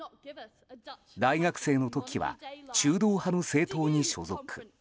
大学生の時は中道派の政党に所属。